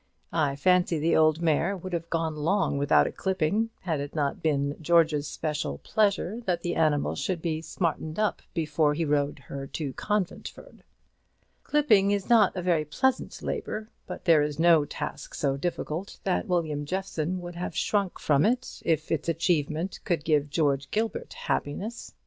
I fancy the old mare would have gone long without a clipping, had it not been George's special pleasure that the animal should be smartened up before he rode her to Conventford. Clipping is not a very pleasant labour: but there is no task so difficult that William Jeffson would have shrunk from it, if its achievement could give George Gilbert happiness.